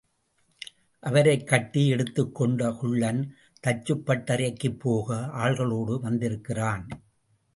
அவரைக் கட்டி எடுத்துக்கொண்டு குள்ளன் தச்சுப் பட்டறைக்குப் போக ஆள்களோடு வந்திருக்கிறான்.